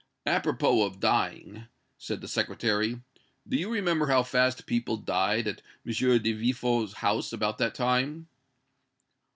"Apropos of dying," said the Secretary, "do you remember how fast people died at M. de Villefort's house about that time?"